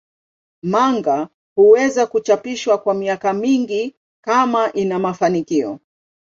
Manga huweza kuchapishwa kwa miaka mingi kama ina mafanikio.